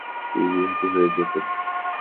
তিনি বিরক্ত হয়ে যেতেন।